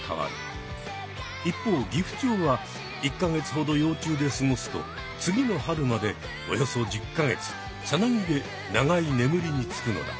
一方ギフチョウは１か月ほど幼虫で過ごすと次の春までおよそ１０か月さなぎで長いねむりにつくのだ。